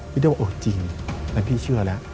พี่ติ๊กบอกจริงแล้วพี่เชื่อแล้ว